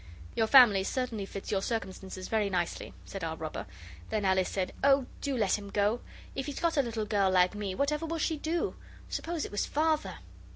'Your family certainly fits your circumstances very nicely,' said our robber. Then Alice said 'Oh, do let him go! If he's got a little girl like me, whatever will she do? Suppose it was Father!